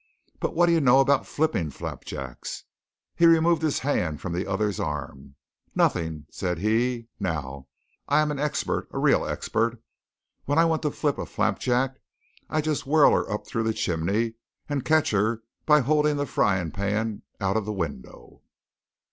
But wha' do you know about flippin' flapjacks?" He removed his hand from the other's arm. "Nawthin!" said he. "Now I am an exper'; a real exper'! When I want to flip a flapjack I just whirl her up through the chimney and catch her by holdin' the frying pan out'n the window!"